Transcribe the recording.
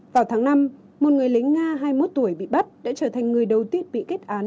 vào tháng năm một người lính nga hai mươi một tuổi bị bắt đã trở thành người đầu tiên bị kết án